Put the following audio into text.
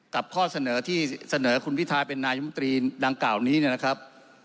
ข้อเสนอที่เสนอคุณพิทาเป็นนายมตรีดังกล่าวนี้นะครับ